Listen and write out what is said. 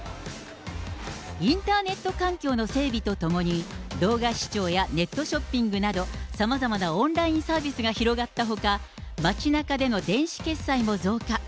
インターネット環境の整備とともに、動画視聴やネットショッピングなど、さまざまなオンラインサービスが広がったほか、街なかでの電子決済も増加。